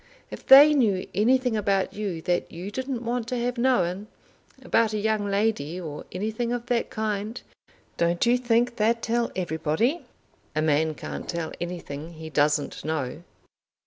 If they knew anything about you that you didn't want to have known, about a young lady or anything of that kind, don't you think they'd tell everybody?" "A man can't tell anything he doesn't know."